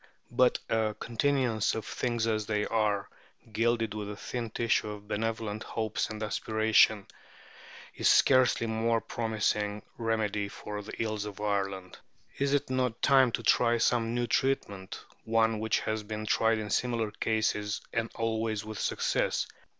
But a continuance of "things as they are," gilded with a thin tissue of benevolent hopes and aspirations, is scarcely a more promising remedy for the ills of Ireland. Is it not time to try some new treatment one which has been tried in similar cases, and always with success?